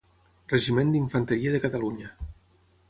Regiment d'Infanteria de Catalunya.